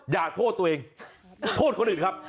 อย่าโทษตัวเองโทษคนอื่นครับ